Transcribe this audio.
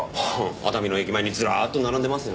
熱海の駅前にズラーッと並んでますよ。